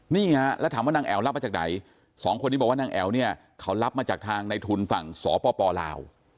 นี่ฮะแล้วถามว่านางแอ๋วรับมาจากไหนสองคนนี้บอกว่านางแอ๋วเนี่ยเขารับมาจากทางในทุนฝั่งสปลาว